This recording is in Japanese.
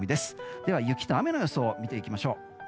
では雪と雨の予想見ていきましょう。